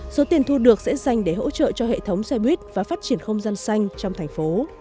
số tiền thu được sẽ dành để hỗ trợ cho hệ thống xe buýt và phát triển không gian xanh trong thành phố